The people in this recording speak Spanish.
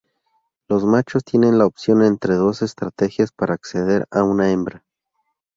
Los machos tienen la opción entre dos estrategias para acceder a una hembra.